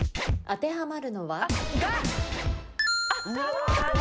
当てはまるのは？